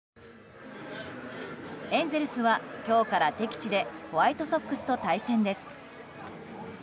エンゼルスは、今日から敵地でホワイトソックスと対戦です。